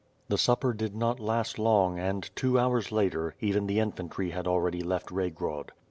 The supper did not last long and, two hours later, even the infantry had already left Kaygrod.